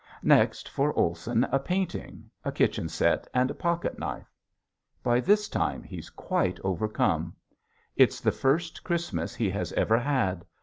Next for Olson a painting, a kitchen set, and a pocketknife. By this time he's quite overcome. It's the first Christmas he has ever had!